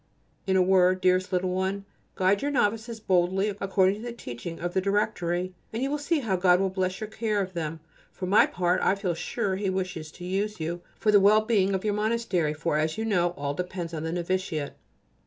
In a word, dearest little one, guide your novices boldly according to the teaching of the Directory and you will see how God will bless your care of them. For my part I feel sure He wishes to use you for the well being of your monastery, for, as you know, all depends on the novitiate.